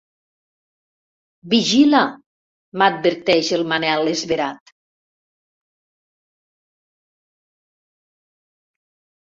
Vigila! —m'adverteix el Manel, esverat.